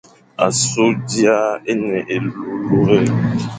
Asu d ia e ne élurélur.